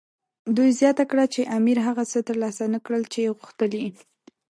دوی زیاته کړه چې امیر هغه څه ترلاسه نه کړل چې غوښتل یې.